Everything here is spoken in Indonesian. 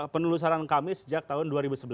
penelusuran kami sejak tahun dua ribu sebelas